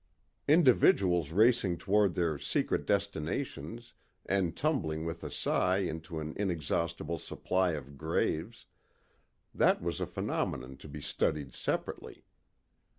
Individuals racing toward their secret destinations and tumbling with a sigh into an inexhaustible supply of graves that was a phenomenon to be studied separately.